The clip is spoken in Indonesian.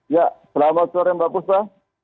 ya selamat sore mbak puspa